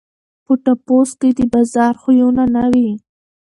په ټپوس کي د باز خویونه نه وي.